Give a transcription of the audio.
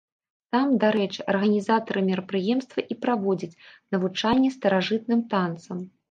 Там, дарэчы, арганізатары мерапрыемства і праводзяць навучанне старажытным танцам.